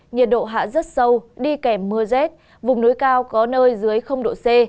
nhiệt độ hạ rất sâu đi kèm mưa rét vùng núi cao có nơi dưới độ c